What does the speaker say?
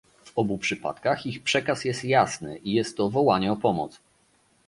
W obu przypadkach ich przekaz jest jasny i jest to wołanie o pomoc